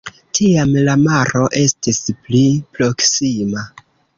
Tiam la maro estis pli proksima.